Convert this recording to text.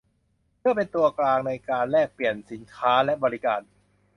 เพื่อเป็นตัวกลางในการแลกเปลี่ยนสินค้าและบริการ